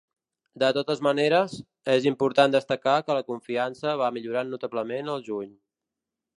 De totes maneres, és important destacar que la confiança va millorar notablement al juny.